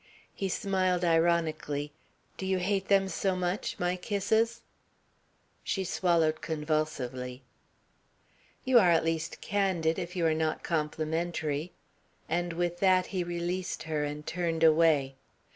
He smiled ironically. "Do you hate them so much, my kisses?" She swallowed convulsively. "You are at least candid if you are not complimentary;" and with that he released her and turned away.